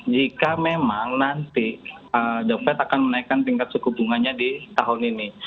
jika memang nanti the fed akan menaikkan tingkat suku bunganya di tahun ini